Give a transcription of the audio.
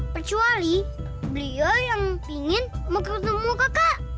kecuali beliau yang ingin mengetemu kakak